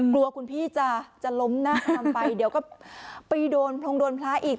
กลัวคุณพี่จะล้มหน้าตามไปเดี๋ยวก็ไปโดนพรงโดนพระอีก